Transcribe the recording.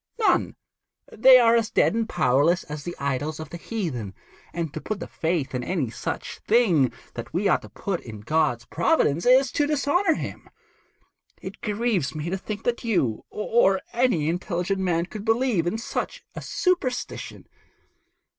None. They are as dead and powerless as the idols of the heathen; and to put the faith in any such thing that we ought to put in God's providence, is to dishonour Him. It grieves me to think that you, or any other intelligent man, could believe in such a superstition.'